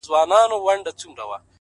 ستا د ښار د ښایستونو په رنګ ـ رنګ یم ـ